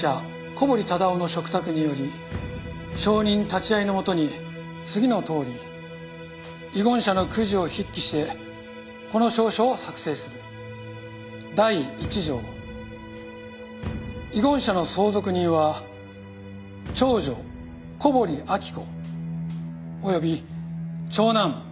小堀忠夫の嘱託により証人立ち会いのもとに次のとおり遺言者の口授を筆記してこの証書を作成する」「第一条遺言者の相続人は長女小堀明子及び長男小堀功の２名である」